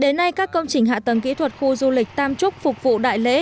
đến nay các công trình hạ tầng kỹ thuật khu du lịch tam trúc phục vụ đại lễ